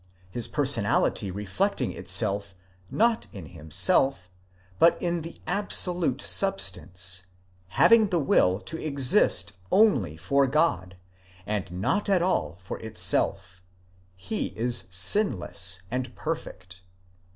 His personality reflecting itself not in himself, but in the absolute substance, having the will to exist only for God, and not at all for itself, he is sinless and perfect.